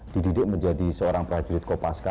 dididik menjadi seorang prajurit kopaska